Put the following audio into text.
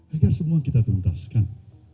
agar semua kita tuntaskan